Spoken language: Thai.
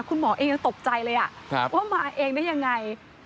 คุณหมอเองยังตกใจเลยว่ามาเองได้ยังไง